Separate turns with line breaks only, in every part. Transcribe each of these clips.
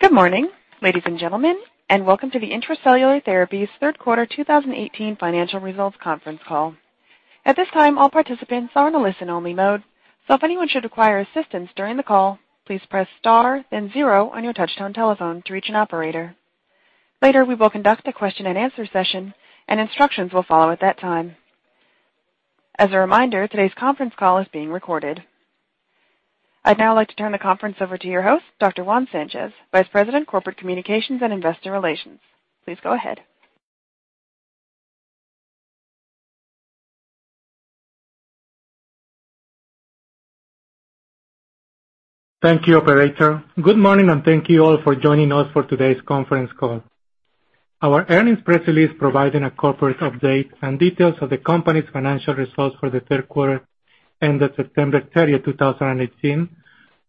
Good morning, ladies and gentlemen, and welcome to the Intra-Cellular Therapies third quarter 2018 financial results conference call. At this time, all participants are in a listen-only mode. If anyone should require assistance during the call, please press star then zero on your touchtone telephone to reach an operator. Later, we will conduct a question-and-answer session, and instructions will follow at that time. As a reminder, today's conference call is being recorded. I'd now like to turn the conference over to your host, Dr. Juan Sanchez, Vice President, Corporate Communications and Investor Relations. Please go ahead.
Thank you, operator. Good morning, and thank you all for joining us for today's conference call. Our earnings press release providing a corporate update and details of the company's financial results for the third quarter ended September 30th,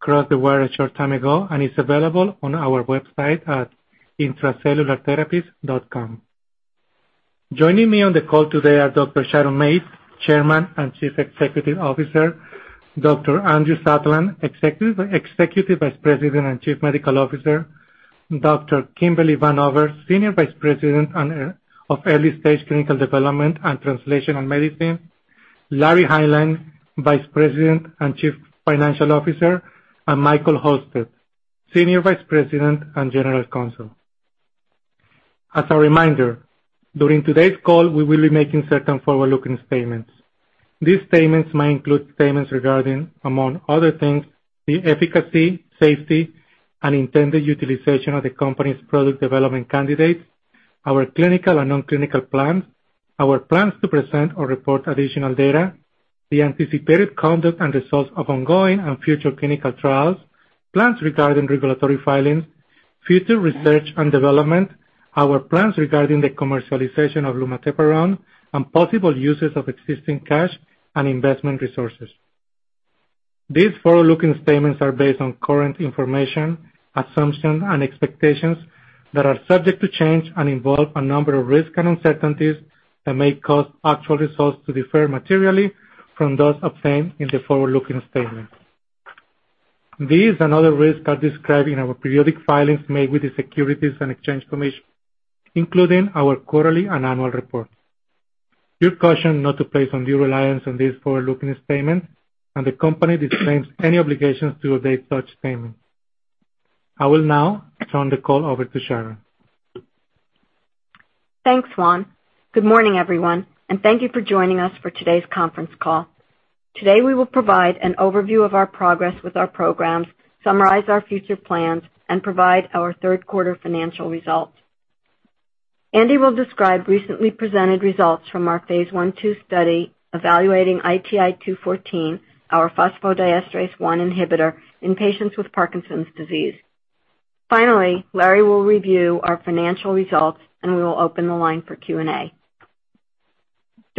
2018, crossed the wire a short time ago and is available on our website at intracellulartherapies.com. Joining me on the call today are Dr. Sharon Mates, Chairman and Chief Executive Officer, Dr. Andrew Satlin, Executive Vice President and Chief Medical Officer. Dr. Kimberly Vanover, Senior Vice President of Early Stage Clinical Development and Translational Medicine, Larry Hineline, Vice President and Chief Financial Officer, and Michael Halstead, Senior Vice President and General Counsel. As a reminder, during today's call, we will be making certain forward-looking statements. These statements may include statements regarding, among other things, the efficacy, safety, and intended utilization of the company's product development candidates. Our clinical and non-clinical plans, our plans to present or report additional data, the anticipated conduct and results of ongoing and future clinical trials, plans regarding regulatory filings, future research and development, our plans regarding the commercialization of lumateperone, and possible uses of existing cash and investment resources. These forward-looking statements are based on current information, assumptions, and expectations that are subject to change and involve a number of risks and uncertainties. That may cause actual results to differ materially from those obtained in the forward-looking statements. These and other risks are described in our periodic filings made with the Securities and Exchange Commission, including our quarterly and annual report. You're cautioned not to place undue reliance on these forward-looking statements. The company disclaims any obligation to update such statements. I will now turn the call over to Sharon.
Thanks, Juan. Good morning, everyone, and thank you for joining us for today's conference call. Today, we will provide an overview of our progress with our programs, summarize our future plans, and provide our third quarter financial results. Andy will describe recently presented results from our phase I/II study evaluating ITI-214, our phosphodiesterase one inhibitor, in patients with Parkinson's disease. Finally, Larry will review our financial results, and we will open the line for Q&A.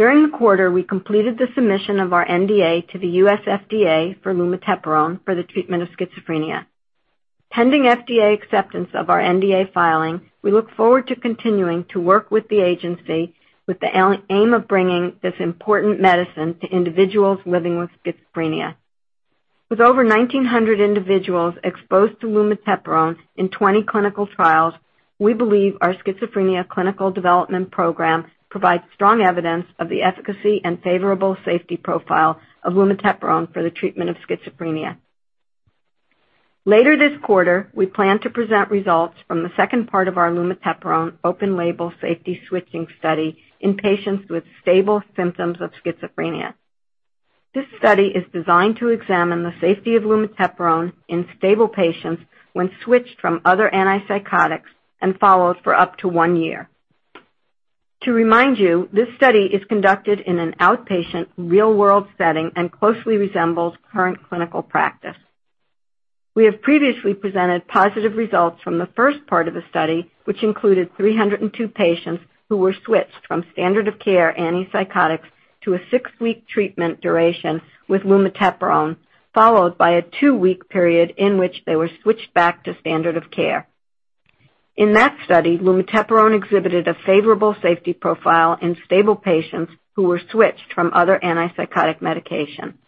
During the quarter, we completed the submission of our NDA to the U.S. FDA for lumateperone for the treatment of schizophrenia. Pending FDA acceptance of our NDA filing, we look forward to continuing to work with the agency with the aim of bringing this important medicine to individuals living with schizophrenia. With over 1,900 individuals exposed to lumateperone in 20 clinical trials, we believe our schizophrenia clinical development program provides strong evidence of the efficacy and favorable safety profile of lumateperone for the treatment of schizophrenia. Later this quarter, we plan to present results from the second part of our lumateperone open label safety switching study in patients with stable symptoms of schizophrenia. This study is designed to examine the safety of lumateperone in stable patients when switched from other antipsychotics and followed for up to one year. To remind you, this study is conducted in an outpatient, real-world setting and closely resembles current clinical practice. We have previously presented positive results from the first part of the study, which included 302 patients who were switched from standard of care antipsychotics to a six-week treatment duration with lumateperone, followed by a two-week period in which they were switched back to standard of care. In that study, lumateperone exhibited a favorable safety profile in stable patients who were switched from other antipsychotic medication.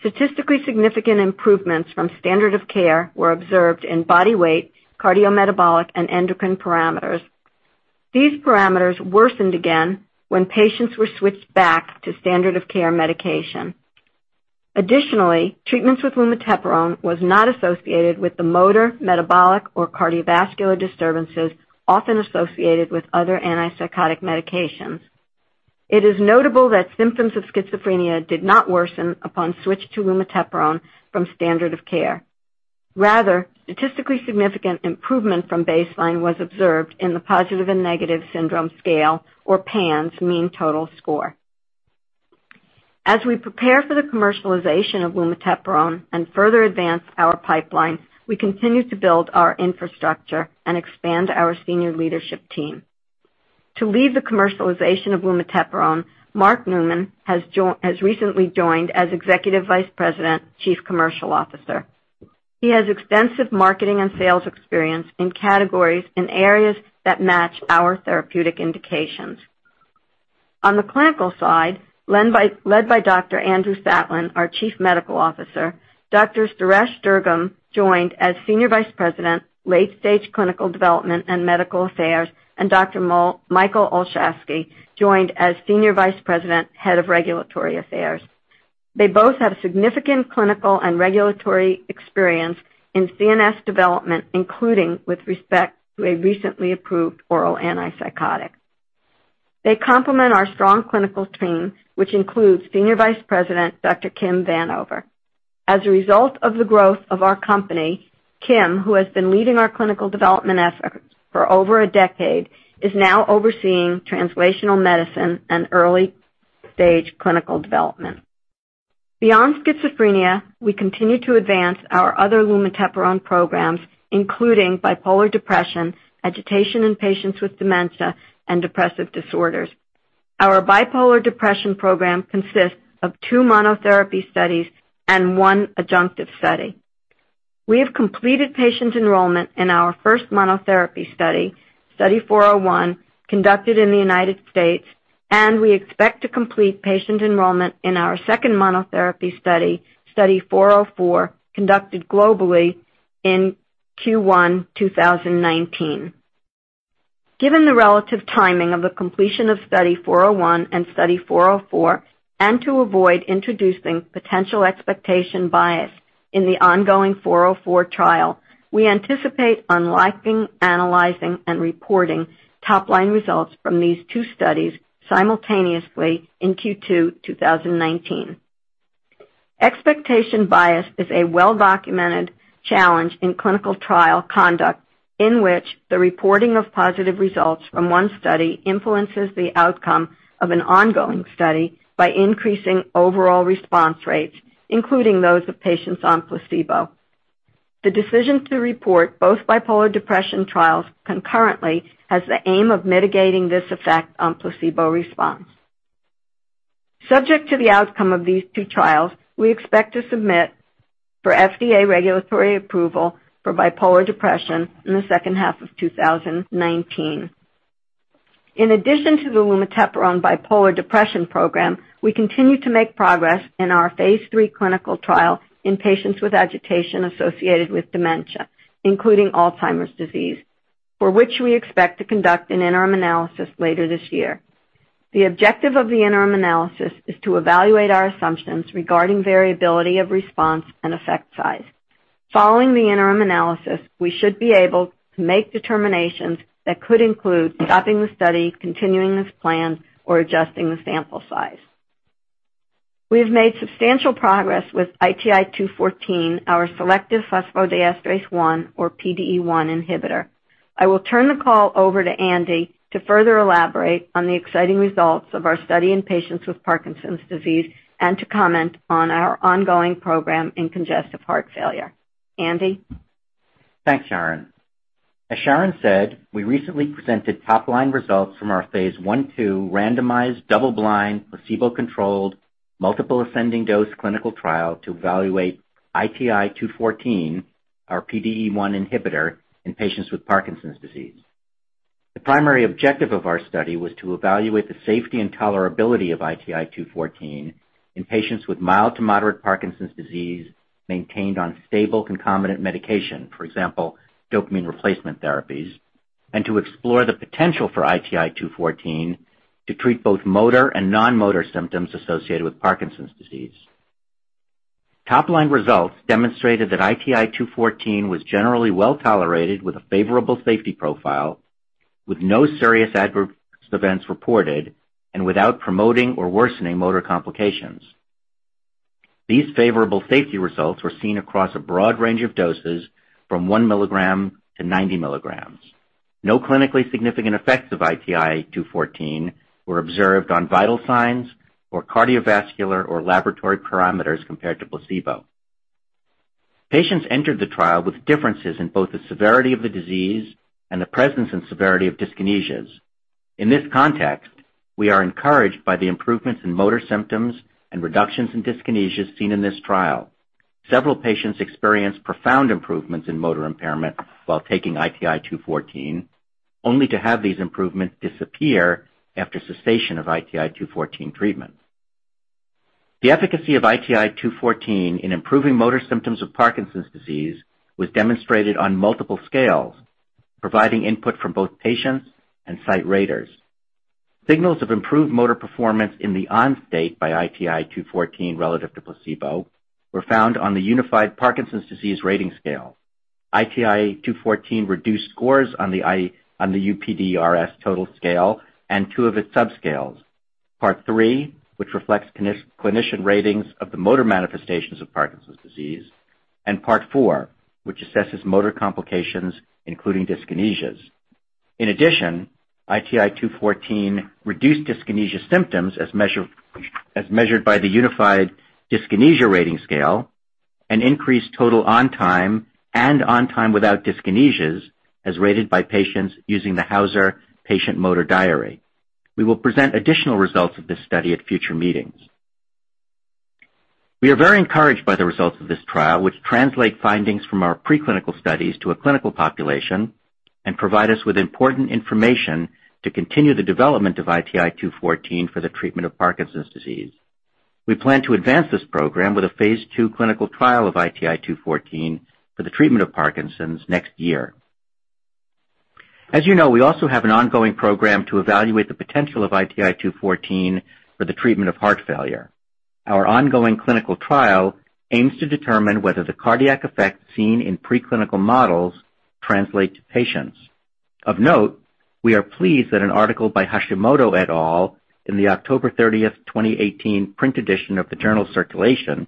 Statistically significant improvements from standard of care were observed in body weight, cardiometabolic, and endocrine parameters. These parameters worsened again when patients were switched back to standard of care medication. Additionally, treatments with lumateperone was not associated with the motor, metabolic, or cardiovascular disturbances often associated with other antipsychotic medications. It is notable that symptoms of schizophrenia did not worsen upon switch to lumateperone from standard of care. Rather, statistically significant improvement from baseline was observed in the Positive and Negative Syndrome Scale, or PANSS, mean total score. As we prepare for the commercialization of lumateperone and further advance our pipeline, we continue to build our infrastructure and expand our senior leadership team. To lead the commercialization of lumateperone, Mark Neumann has recently joined as Executive Vice President, Chief Commercial Officer. He has extensive marketing and sales experience in categories and areas that match our therapeutic indications. On the clinical side, led by Dr. Andrew Satlin, our chief medical officer, Dr. Suresh Durgam joined as Senior Vice President, Late-Stage Clinical Development and Medical Affairs. Dr. Michael Halstead joined as Senior Vice President, Head of Regulatory Affairs. They both have significant clinical and regulatory experience in CNS development, including with respect to a recently approved oral antipsychotic. They complement our strong clinical team, which includes Senior Vice President Dr. Kim Vanover. As a result of the growth of our company, Kim, who has been leading our clinical development efforts for over a decade, is now overseeing translational medicine and early-stage clinical development. Beyond schizophrenia, we continue to advance our other lumateperone programs, including bipolar depression, agitation in patients with dementia, and depressive disorders. Our bipolar depression program consists of two monotherapy studies and one adjunctive study. We have completed patient enrollment in our first monotherapy study, Study 401, conducted in the U.S., and we expect to complete patient enrollment in our second monotherapy study, Study 404, conducted globally in Q1 2019. Given the relative timing of the completion of Study 401 and Study 404, to avoid introducing potential expectation bias in the ongoing 404 trial, we anticipate unlocking, analyzing, and reporting top-line results from these two studies simultaneously in Q2 2019. Expectation bias is a well-documented challenge in clinical trial conduct, in which the reporting of positive results from one study influences the outcome of an ongoing study by increasing overall response rates, including those of patients on placebo. The decision to report both bipolar depression trials concurrently has the aim of mitigating this effect on placebo response. Subject to the outcome of these two trials, we expect to submit for FDA regulatory approval for bipolar depression in the second half of 2019. In addition to the lumateperone bipolar depression program, we continue to make progress in our phase III clinical trial in patients with agitation associated with dementia, including Alzheimer's disease, for which we expect to conduct an interim analysis later this year. The objective of the interim analysis is to evaluate our assumptions regarding variability of response and effect size. Following the interim analysis, we should be able to make determinations that could include stopping the study, continuing as planned, or adjusting the sample size. We have made substantial progress with ITI-214, our selective phosphodiesterase 1, or PDE1 inhibitor. I will turn the call over to Andy to further elaborate on the exciting results of our study in patients with Parkinson's disease and to comment on our ongoing program in congestive heart failure. Andy?
Thanks, Sharon. As Sharon said, we recently presented top-line results from our phase I/II randomized double-blind placebo-controlled multiple ascending dose clinical trial to evaluate ITI-214, our PDE1 inhibitor, in patients with Parkinson's disease. The primary objective of our study was to evaluate the safety and tolerability of ITI-214 in patients with mild to moderate Parkinson's disease maintained on stable concomitant medication, for example, dopamine replacement therapies, and to explore the potential for ITI-214 to treat both motor and non-motor symptoms associated with Parkinson's disease. Top-line results demonstrated that ITI-214 was generally well-tolerated with a favorable safety profile, with no serious adverse events reported and without promoting or worsening motor complications. These favorable safety results were seen across a broad range of doses from 1 mg-90 mg. No clinically significant effects of ITI-214 were observed on vital signs or cardiovascular or laboratory parameters compared to placebo. Patients entered the trial with differences in both the severity of the disease and the presence and severity of dyskinesias. In this context, we are encouraged by the improvements in motor symptoms and reductions in dyskinesias seen in this trial. Several patients experienced profound improvements in motor impairment while taking ITI-214, only to have these improvements disappear after cessation of ITI-214 treatment. The efficacy of ITI-214 in improving motor symptoms of Parkinson's disease was demonstrated on multiple scales, providing input from both patients and site raters. Signals of improved motor performance in the on state by ITI-214 relative to placebo were found on the Unified Parkinson's Disease Rating Scale. ITI-214 reduced scores on the UPDRS total scale and two of its subscales, part three, which reflects clinician ratings of the motor manifestations of Parkinson's disease, and part four, which assesses motor complications, including dyskinesias. ITI-214 reduced dyskinesia symptoms as measured by the Unified Dyskinesia Rating Scale and increased total on time and on time without dyskinesias as rated by patients using the Hauser Patient Motor Diary. We will present additional results of this study at future meetings. We are very encouraged by the results of this trial, which translate findings from our preclinical studies to a clinical population and provide us with important information to continue the development of ITI-214 for the treatment of Parkinson's disease. We plan to advance this program with a phase II clinical trial of ITI-214 for the treatment of Parkinson's next year. As you know, we also have an ongoing program to evaluate the potential of ITI-214 for the treatment of heart failure. Our ongoing clinical trial aims to determine whether the cardiac effects seen in preclinical models translate to patients. Of note, we are pleased that an article by Hashimoto et al. in the October 30th, 2018, print edition of the journal Circulation,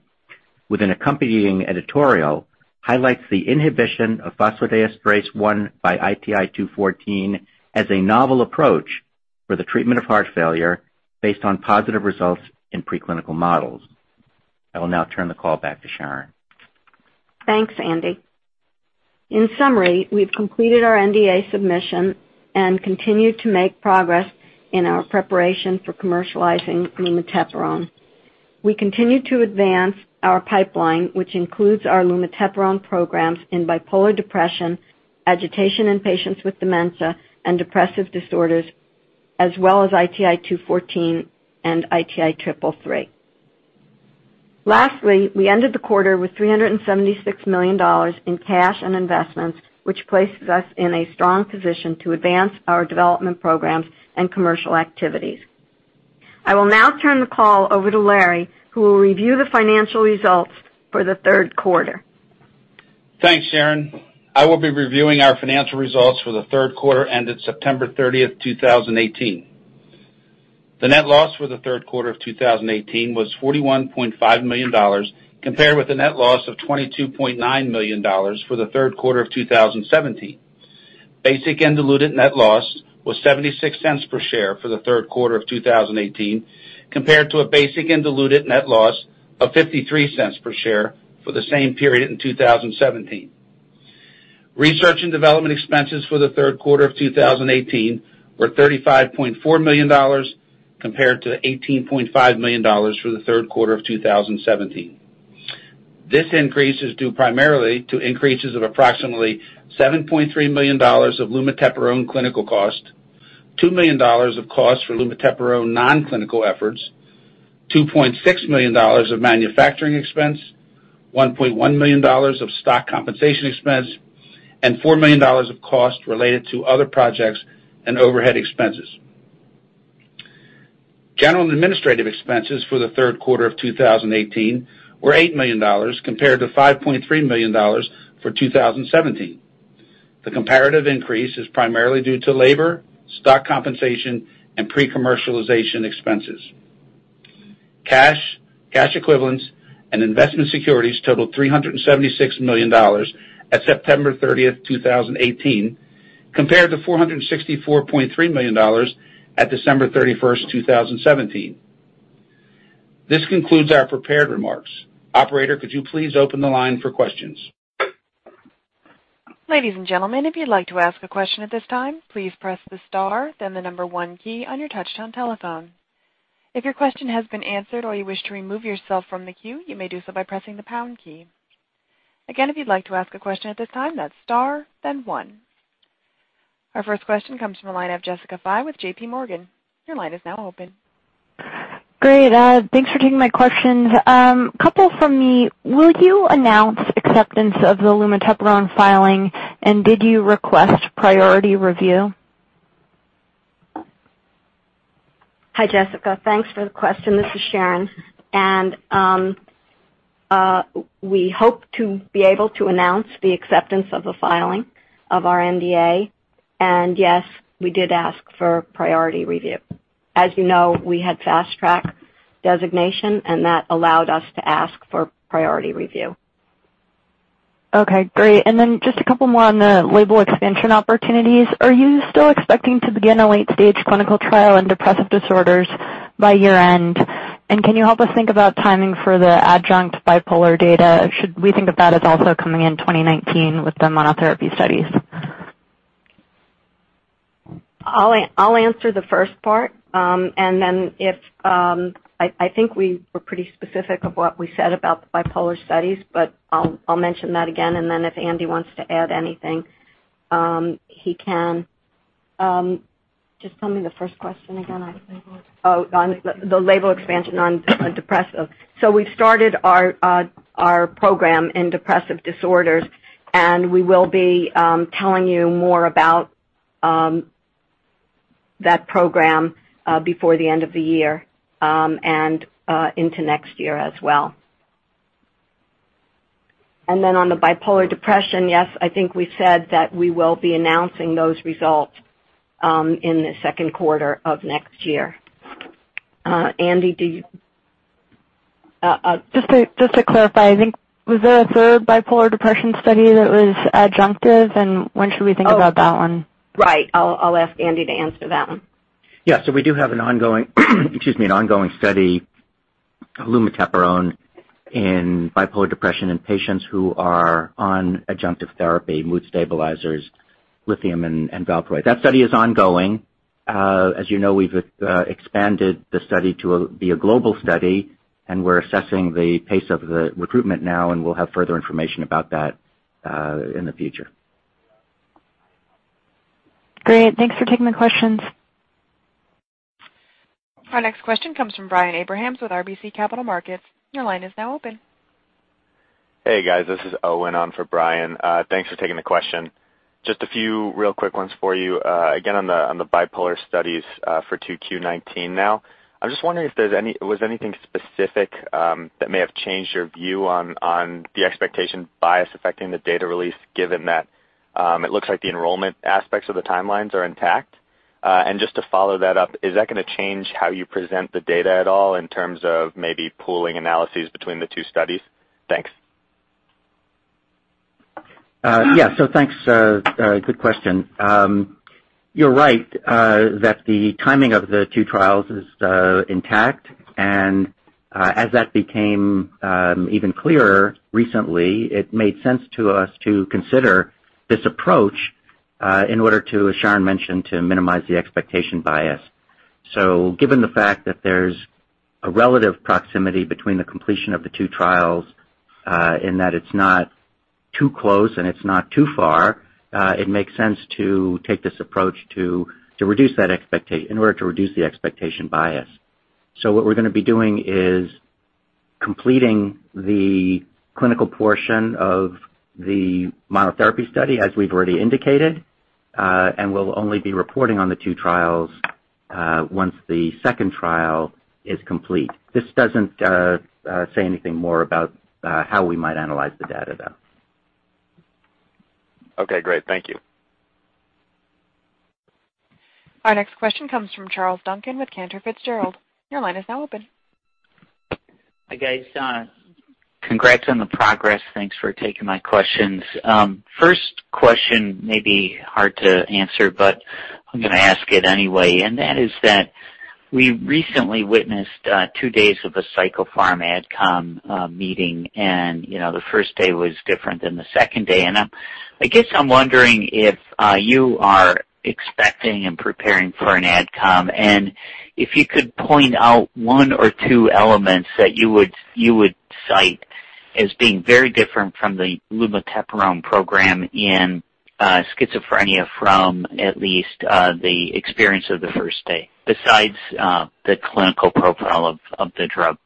with an accompanying editorial. Highlights the inhibition of phosphodiesterase 1 by ITI-214 as a novel approach for the treatment of heart failure based on positive results in preclinical models. I will now turn the call back to Sharon.
Thanks, Andy. We've completed our NDA submission and continue to make progress in our preparation for commercializing lumateperone. We continue to advance our pipeline, which includes our lumateperone programs in bipolar depression, agitation in patients with dementia, and depressive disorders, as well as ITI-214 and ITI-333. We ended the quarter with $376 million in cash and investments, which places us in a strong position to advance our development programs and commercial activities. I will now turn the call over to Larry, who will review the financial results for the third quarter.
Thanks, Sharon. I will be reviewing our financial results for the third quarter ended September 30th, 2018. The net loss for the third quarter of 2018 was $41.5 million, compared with a net loss of $22.9 million for the third quarter of 2017. Basic and diluted net loss was $0.76 per share for the third quarter of 2018, compared to a basic and diluted net loss of $0.53 per share for the same period in 2017. Research and development expenses for the third quarter of 2018 were $35.4 million, compared to $18.5 million for the third quarter of 2017. This increase is due primarily to increases of approximately $7.3 million of lumateperone clinical cost, $2 million of cost for lumateperone non-clinical efforts, $2.6 million of manufacturing expense, $1.1 million of stock compensation expense, and $4 million of cost related to other projects and overhead expenses. General and administrative expenses for the third quarter of 2018 were $8 million, compared to $5.3 million for 2017. The comparative increase is primarily due to labor, stock compensation, and pre-commercialization expenses. Cash, cash equivalents, and investment securities totaled $376 million at September 30th, 2018, compared to $464.3 million at December 31st, 2017. This concludes our prepared remarks. Operator, could you please open the line for questions?
Ladies and gentlemen, if you'd like to ask a question at this time, please press the star then the number one key on your touchtone telephone. If your question has been answered or you wish to remove yourself from the queue, you may do so by pressing the pound key. Again, if you'd like to ask a question at this time, that's star then one. Our first question comes from the line of Jessica Fye with JPMorgan. Your line is now open.
Great. Thanks for taking my questions. Couple from me. Will you announce acceptance of the lumateperone filing, and did you request priority review?
Hi, Jessica. Thanks for the question. This is Sharon. We hope to be able to announce the acceptance of the filing of our NDA. Yes, we did ask for priority review. As you know, we had Fast Track designation, and that allowed us to ask for priority review.
Okay, great. Just a couple more on the label expansion opportunities. Are you still expecting to begin a late-stage clinical trial in depressive disorders by year-end? Can you help us think about timing for the adjunct bipolar data? Should we think of that as also coming in 2019 with the monotherapy studies?
I'll answer the first part. I think we were pretty specific of what we said about the bipolar studies, but I'll mention that again. If Andy wants to add anything, he can. Just tell me the first question again.
The label expansion.
The label expansion on depressive. We've started our program in depressive disorders, and we will be telling you more about that program before the end of the year and into next year as well. On the bipolar depression, yes, I think we said that we will be announcing those results in the second quarter of next year. Andy.
Just to clarify, I think, was there a third bipolar depression study that was adjunctive, and when should we think about that one?
Right. I'll ask Andy to answer that one.
Yeah. We do have an ongoing study, lumateperone in bipolar depression in patients who are on adjunctive therapy, mood stabilizers, lithium, and valproate. That study is ongoing. As you know, we've expanded the study to be a global study, and we're assessing the pace of the recruitment now, and we'll have further information about that in the future.
Great. Thanks for taking the questions.
Our next question comes from Brian Abrahams with RBC Capital Markets. Your line is now open.
Hey, guys. This is Owen on for Brian. Thanks for taking the question. Just a few real quick ones for you. Again, on the bipolar studies for 2Q 2019 now. I'm just wondering if there's anything specific that may have changed your view on the expectation bias affecting the data release, given that it looks like the enrollment aspects of the timelines are intact. Just to follow that up, is that going to change how you present the data at all in terms of maybe pooling analyses between the two studies? Thanks.
Yeah. Thanks. Good question. You're right that the timing of the two trials is intact, and as that became even clearer recently, it made sense to us to consider this approach in order to, as Sharon mentioned, to minimize the expectation bias. Given the fact that there's a relative proximity between the completion of the two trials, in that it's not too close and it's not too far, it makes sense to take this approach in order to reduce the expectation bias. What we're going to be doing is completing the clinical portion of the monotherapy study. As we've already indicated, and we'll only be reporting on the two trials, once the second trial is complete. This doesn't say anything more about how we might analyze the data, though.
Okay, great. Thank you.
Our next question comes from Charles Duncan with Cantor Fitzgerald. Your line is now open.
Hi, guys. Congrats on the progress. Thanks for taking my questions. First question may be hard to answer, but I'm going to ask it anyway, and that is that we recently witnessed two days of a Psychopharm Adcom meeting, and the first day was different than the second day. I guess I'm wondering if you are expecting and preparing for an Adcom, and if you could point out one or two elements that you would cite as being very different from the lumateperone program in schizophrenia from at least the experience of the first day, besides the clinical profile of the drug.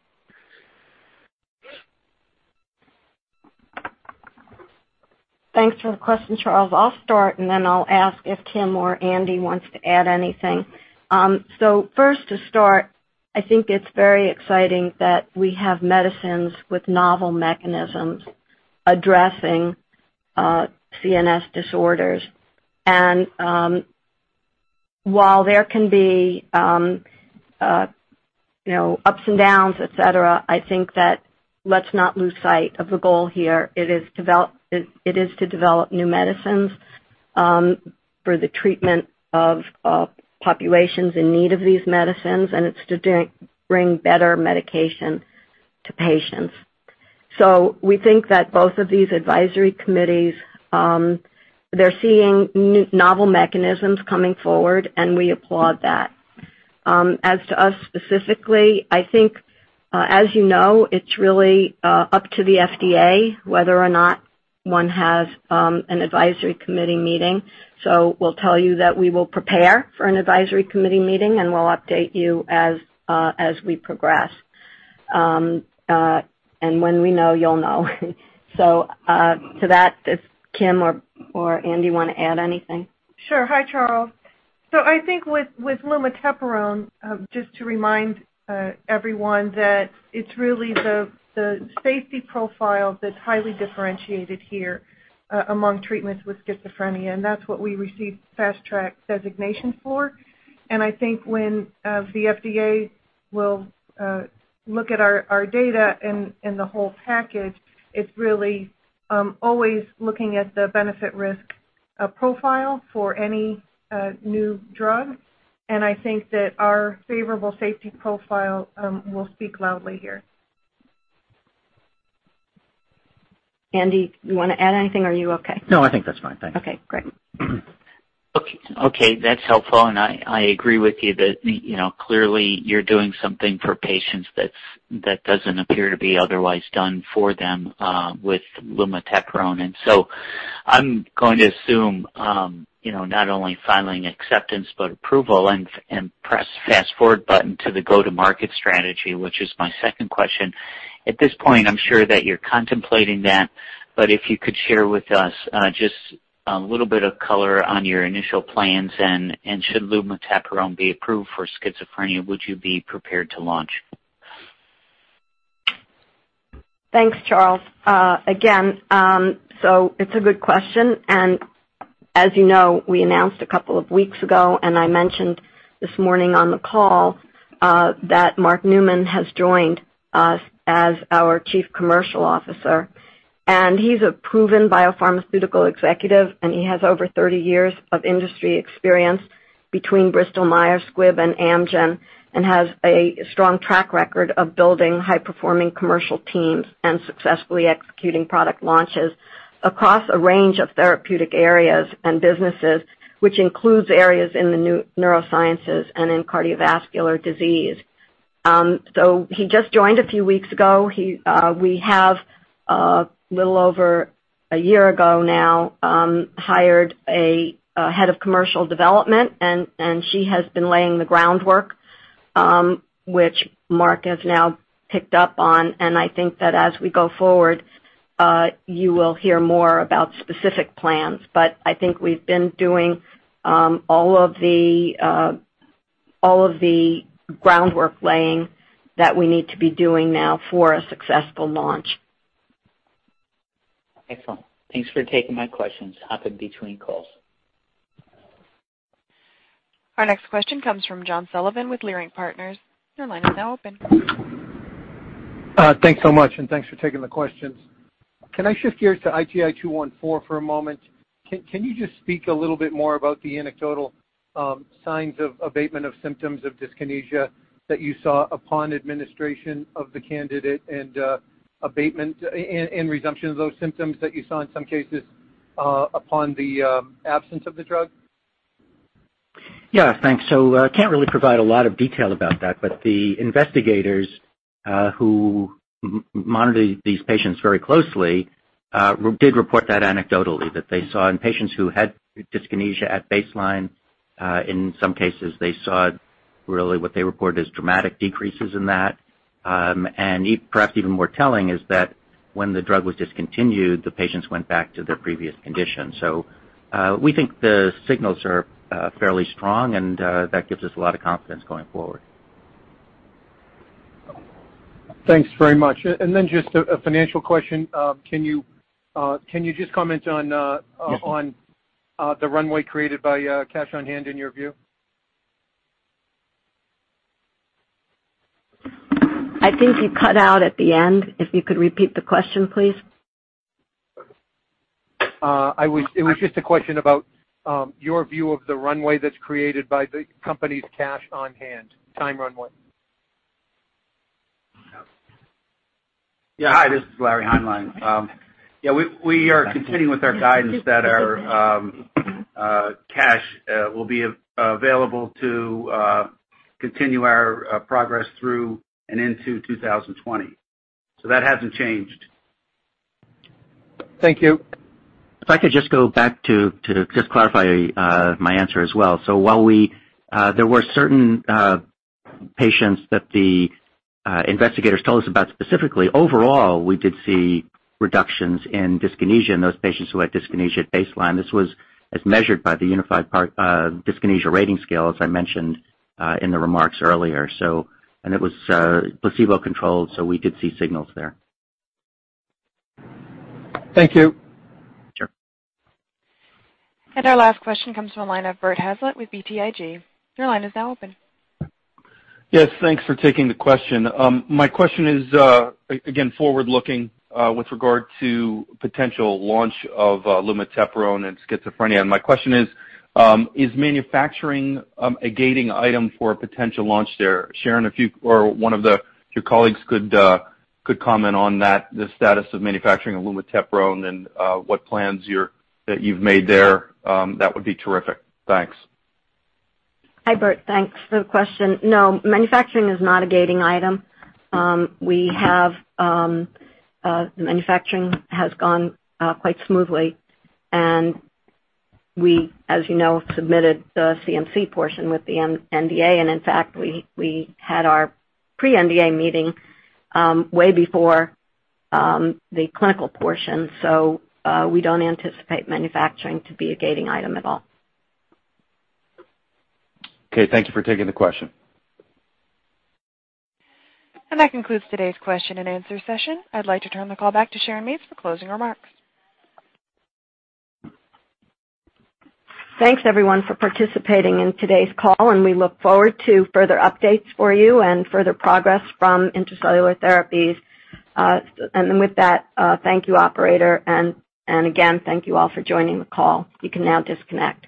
Thanks for the question, Charles. I'll start, and then I'll ask if Kim or Andy wants to add anything. First to start, I think it's very exciting that we have medicines with novel mechanisms addressing CNS disorders. While there can be ups and downs, etc., I think that let's not lose sight of the goal here. It is to develop new medicines for the treatment of populations in need of these medicines, and it's to bring better medication to patients. We think that both of these advisory committees, they're seeing novel mechanisms coming forward, and we applaud that. As to us specifically, I think, as you know, it's really up to the FDA whether or not one has an advisory committee meeting. We'll tell you that we will prepare for an advisory committee meeting, and we'll update you as we progress. When we know, you'll know. To that, if Kim or Andy want to add anything.
Sure. Hi, Charles. I think with lumateperone, just to remind everyone that it's really the safety profile that's highly differentiated here among treatments with schizophrenia, and that's what we received Fast Track designation for. I think when the FDA will look at our data and the whole package, it's really always looking at the benefit-risk profile for any new drug. I think that our favorable safety profile will speak loudly here.
Andy, you want to add anything or are you okay?
I think that's fine. Thanks.
Okay, great.
Okay, that's helpful. I agree with you that clearly you're doing something for patients that doesn't appear to be otherwise done for them with lumateperone. I'm going to assume not only filing acceptance but approval and press fast-forward button to the go-to-market strategy, which is my second question. At this point, I'm sure that you're contemplating that, but if you could share with us just a little bit of color on your initial plans, Should lumateperone be approved for schizophrenia, would you be prepared to launch?
Thanks, Charles. Again, it's a good question, As you know, we announced a couple of weeks ago, I mentioned this morning on the call, that Mark Neumann has joined us as our Chief Commercial Officer. He's a proven biopharmaceutical executive, and he has over 30 years of industry experience between Bristol Myers Squibb and Amgen. Has a strong track record of building high-performing commercial teams and successfully executing product launches across a range of therapeutic areas and businesses, which includes areas in the neurosciences and in cardiovascular disease. He just joined a few weeks ago. We have, a little over a year ago now, hired a head of commercial development, and she has been laying the groundwork, which Mark has now picked up on. I think that as we go forward, you will hear more about specific plans. I think we've been doing all of the groundwork laying that we need to be doing now for a successful launch.
Excellent. Thanks for taking my questions. Hopping between calls.
Our next question comes from John Sullivan with Leerink Partners. Your line is now open.
Thanks so much. Thanks for taking the questions. Can I shift gears to ITI-214 for a moment? Can you just speak a little bit more about the anecdotal signs of abatement of symptoms of dyskinesia that you saw upon administration of the candidate and abatement and resumption of those symptoms that you saw in some cases upon the absence of the drug?
Yeah. Thanks. Can't really provide a lot of detail about that, but the investigators who monitored these patients very closely, did report that anecdotally. That they saw in patients who had dyskinesia at baseline, in some cases, they saw really what they report as dramatic decreases in that. Perhaps even more telling is that when the drug was discontinued, the patients went back to their previous condition. We think the signals are fairly strong, and that gives us a lot of confidence going forward.
Thanks very much. Just a financial question. Can you just comment on the runway created by cash on hand in your view?
I think you cut out at the end. If you could repeat the question, please.
It was just a question about your view of the runway that's created by the company's cash on hand. Time runway.
Hi, this is Larry Hineline. We are continuing with our guidance that our cash will be available to continue our progress through and into 2020. That hasn't changed.
Thank you.
If I could just go back to just clarify my answer as well. While there were certain patients that the investigators told us about specifically, overall, we did see reductions in dyskinesia in those patients who had dyskinesia at baseline. This was as measured by the Unified Dyskinesia Rating Scale, as I mentioned in the remarks earlier. It was placebo-controlled, we did see signals there.
Thank you.
Sure.
Our last question comes from the line of Robert Hazlett with BTIG. Your line is now open.
Yes. Thanks for taking the question. My question is, again, forward-looking with regard to potential launch of lumateperone and schizophrenia. My question is manufacturing a gating item for a potential launch there? Sharon, if you or one of your colleagues could comment on that, the status of manufacturing of lumateperone and what plans that you've made there, that would be terrific. Thanks.
Hi, Bert. Thanks for the question. No, manufacturing is not a gating item. The manufacturing has gone quite smoothly, and we, as you know, submitted the CMC portion with the NDA. In fact, we had our pre-NDA meeting way before the clinical portion. We don't anticipate manufacturing to be a gating item at all.
Okay. Thank you for taking the question.
That concludes today's question-and-answer session. I'd like to turn the call back to Sharon Mates for closing remarks.
Thanks, everyone, for participating in today's call. We look forward to further updates for you and further progress from Intra-Cellular Therapies. With that, thank you, operator. Again, thank you all for joining the call. You can now disconnect.